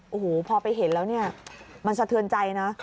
โอ้โหพอไปเห็นแล้วเนี่ยมันสะเทือนใจนะ